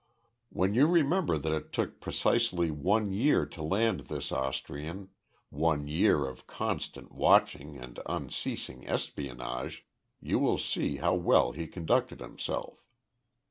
When you remember that it took precisely one year to land this Austrian one year of constant watching and unceasing espionage you will see how well he conducted himself.